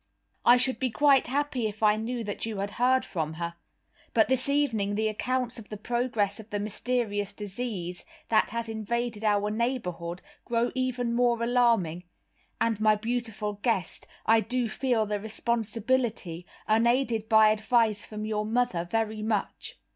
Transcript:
I should be quite happy if I knew that you heard from her: but this evening the accounts of the progress of the mysterious disease that has invaded our neighborhood, grow even more alarming; and my beautiful guest, I do feel the responsibility, unaided by advice from your mother, very much.